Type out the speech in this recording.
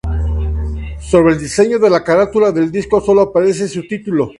Sobre el diseño de la carátula del disco, sólo aparece su título.